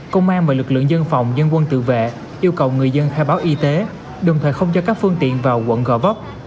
công an và lực lượng dân phòng dân quân tự vệ yêu cầu người dân khai báo y tế đồng thời không cho các phương tiện vào quận gò vấp